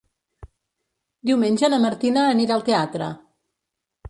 Diumenge na Martina anirà al teatre.